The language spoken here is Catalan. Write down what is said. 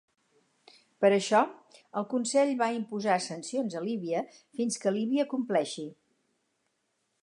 Per això, el Consell va imposar sancions a Líbia fins que Líbia compleixi.